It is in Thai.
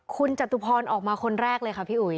คุณจตุพรออกมาคนแรกเลยค่ะพี่อุ๋ย